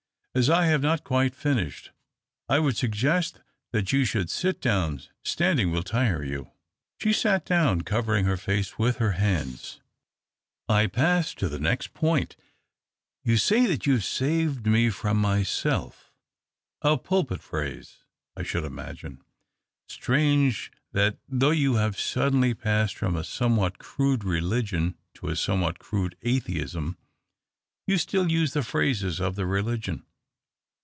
As I have not quite finished, I would suggest that you should sit down. Standing will tire you." She sat down, covering; her face with her hands. " I pass to the next point. You say that you have saA^ed me from myself — a pulpit phrase, I should imagine. Strange that though you have suddenly passed from a somewhat crude religion to a somewhat crude atheism, you still use the phrases of the religion.